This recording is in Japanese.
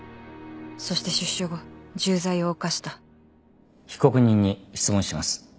そして出所後重罪を犯した被告人に質問します。